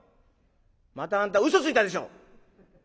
またあんた嘘ついたでしょ！」。